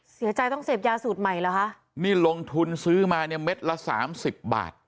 เสียใจต้องเสพยาสูตรใหม่เหรอคะนี่ลงทุนซื้อมาเนี่ยเม็ดละสามสิบบาท